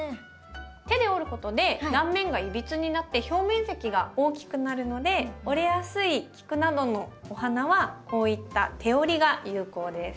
手で折ることで断面がいびつになって表面積が大きくなるので折れやすいキクなどのお花はこういった手折りが有効です。